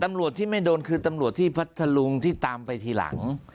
ตำรวจที่ไม่โดนคือตำรวจที่พัทธลุงที่ตามไปทีหลัง